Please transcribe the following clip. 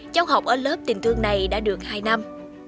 cháu học ở lớp tình thương này đã được hai năm